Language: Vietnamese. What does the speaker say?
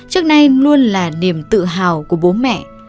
các em luôn là niềm tự hào của bố mẹ